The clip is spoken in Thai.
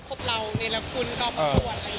ครบเหล่าเนลคุณกรอบควรอะไรอย่างนี้